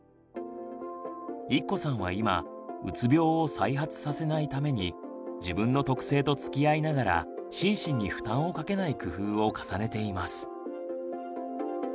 いっこさんは今「うつ病を再発させない」ために自分の特性とつきあいながら心身に負担をかけない工夫を重ねています。